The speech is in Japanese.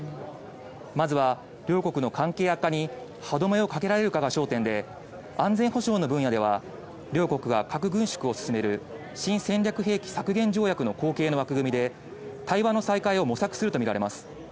まずは、両国の関係悪化に歯止めをかけられるかが焦点で安全保障の分野では両国が核軍縮を進める新戦略兵器削減条約の後継の枠組みで対話の再開を模索するとみられます。